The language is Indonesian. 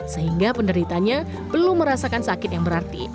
sehingga penderitanya belum merasakan sakit yang berarti